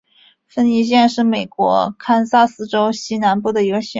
芬尼县是美国堪萨斯州西南部的一个县。